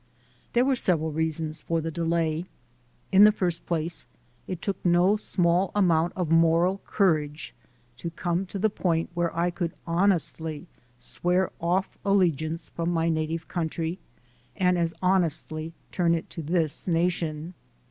There were several reasons for the delay. In the first place, it took no small amount of moral courage to come to the point where I could honestly swear off allegiance from my native country and as hon estly turn it to this nation.